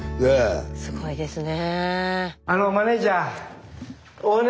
すごいですね。